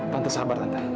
tante sabar tante